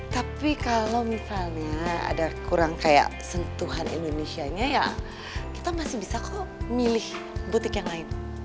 tapi kalau misalnya ada kurang kayak sentuhan indonesia nya ya kita masih bisa kok milih butik yang lain